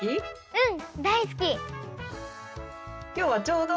うん！